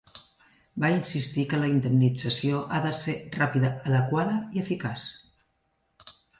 Va insistir que la indemnització ha de ser "ràpida, adequada i eficaç".